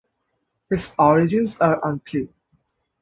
His origins are unclear.